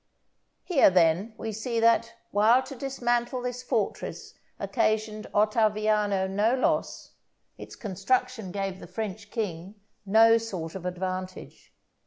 Here, then, we see that, while to dismantle this fortress occasioned Ottaviano no loss, its construction gave the French king no sort of advantage.